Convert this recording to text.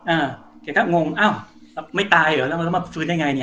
เออแกก็งงอ้าวไม่ตายเหรอแล้วมันก็มาฟื้นได้ไงเนี่ย